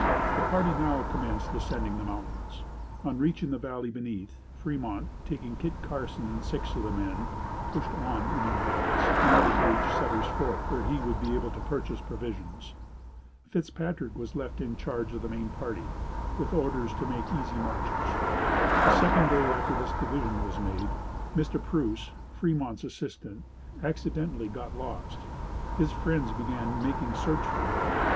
The party now commenced descending the mountains. On reaching the valley beneath, Fremont, taking Kit Carson and six of the men, pushed on in advance, in order to reach Sutter's Fort, where he would be able to purchase provisions. Fitzpatrick was left in charge of the main party, with orders to make easy marches. The second day after this division was made, Mr. Preuss, Fremont's assistant, accidentally got lost. His friends began making search for him.